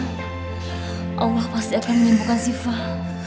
allah pasti akan menyembuhkan sifah